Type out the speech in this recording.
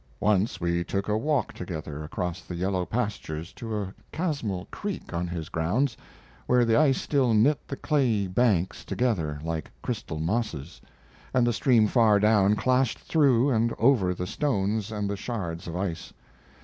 Once we took a walk together across the yellow pastures to a chasmal creek on his grounds, where the ice still knit the clayey banks together like crystal mosses; and the stream far down clashed through and over the stones and the shards of ice.